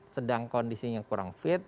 sedang kondisinya kurang fit